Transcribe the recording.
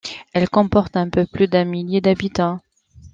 Elle comporte un peu plus d'un millier d'habitants.